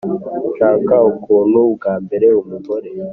nshaka ukuntu bwambera umugore.